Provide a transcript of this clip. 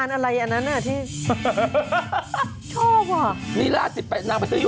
ไม่บ้าหรอกเอ้าบันทึง